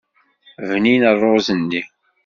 Bnin rruẓ-nni.